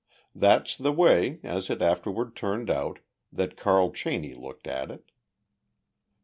That's the way, as it afterward turned out, that Carl Cheney looked at it.